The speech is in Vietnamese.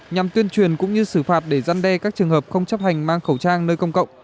nhằm tuyên truyền cũng như xử phạt để giăn đe các trường hợp không chấp hành mang khẩu trang nơi công cộng